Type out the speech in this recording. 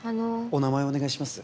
お名前お願いします。